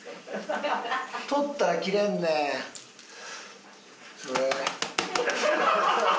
取ったら切れんねんそれ。